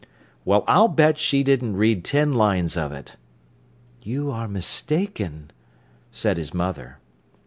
"Well, I'll bet she didn't read ten lines of it." "You are mistaken," said his mother.